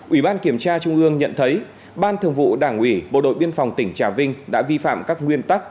ủy ban kiểm tra trung ương nhận thấy ban thường vụ đảng ủy bộ đội biên phòng tỉnh trà vinh đã vi phạm các nguyên tắc